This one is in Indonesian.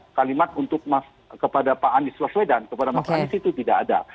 tidak ada kalimat untuk pak anies baswedan kepada pak anies itu tidak ada